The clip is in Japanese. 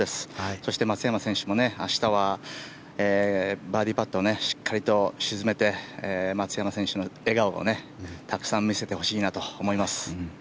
そして、松山選手も明日はバーディーパットをしっかりと沈めて松山選手の笑顔をたくさん見せてほしいなと思います。